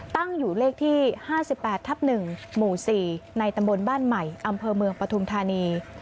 ตั้งอยู่เลขที่๕๘ทับ๑หมู่๔ในตำบลบ้านใหม่อำเภอเมืองปฐุมธานี